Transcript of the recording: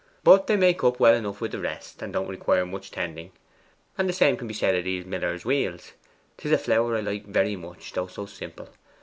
But they make up well enough wi' the rest, and don't require much tending. And the same can be said o' these miller's wheels. 'Tis a flower I like very much, though so simple.